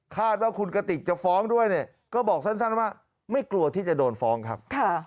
คาดว่าคุณกติกจะฟ้องด้วยเนี่ยก็บอกสั้นว่าไม่กลัวที่จะโดนฟ้องครับ